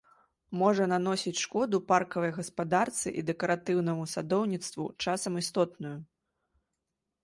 Можа наносіць шкоду паркавай гаспадарцы і дэкаратыўнаму садоўніцтву, часам істотную.